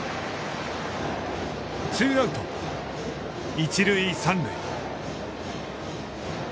ツーアウト、一塁三塁。